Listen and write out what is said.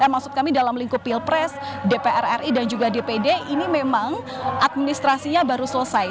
maksud kami dalam lingkup pilpres dpr ri dan juga dpd ini memang administrasinya baru selesai